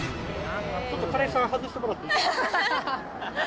ちょっと彼氏さん外してもらってもいいですか？